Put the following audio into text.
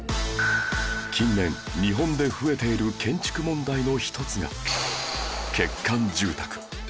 近年日本で増えている建築問題の１つが欠陥住宅